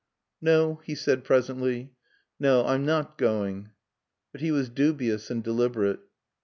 "No," he said presently. "No, I'm not going." But he was dubious and deliberate.